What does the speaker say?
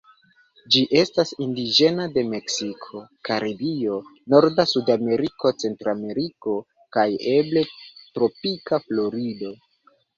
Ĝi estas indiĝena de Meksiko, Karibio, norda Sudameriko, Centrameriko kaj eble tropika Florido.